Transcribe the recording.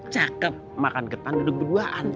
cakep makan ketan duduk berduaan